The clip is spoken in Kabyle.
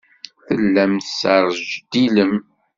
Tellam tesrejdilem.